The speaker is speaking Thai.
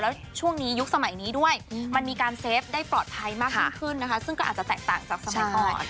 แล้วช่วงนี้ยุคสมัยนี้ด้วยมันมีการเซฟได้ปลอดภัยมากยิ่งขึ้นนะคะซึ่งก็อาจจะแตกต่างจากสมัยก่อน